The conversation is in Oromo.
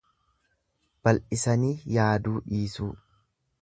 Bal'isanii yaaduu dhiisuu.